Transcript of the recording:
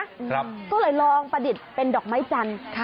ก็เลยลองประดิษฐ์เป็นดอกไม้จันทร์ค่ะ